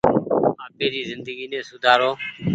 آپيري زندگي ني سوُدآرو ۔